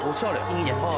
いいですね。